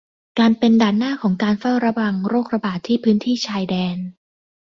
การเป็นด่านหน้าของการเฝ้าระวังโรคระบาดในพื้นที่ชายแดน